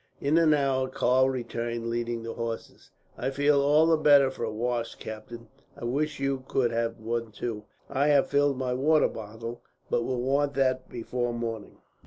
In an hour Karl returned, leading the horses. "I feel all the better for a wash, captain. I wish you could have one, too. I have filled my water bottle, but you will want that before morning."